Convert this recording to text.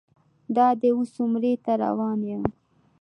دادی اوس عمرې ته روان یم.